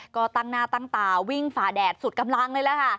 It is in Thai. ก็ตั้งหน้าตั้งตาวิ่งฝ่าแดดสุดกำลังเลยล่ะค่ะ